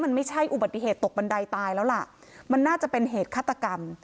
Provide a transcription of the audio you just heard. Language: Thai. มันไม่ใช่อุบัติเหตุตกบันไดตายแล้วล่ะมันน่าจะเป็นเหตุฆาตกรรม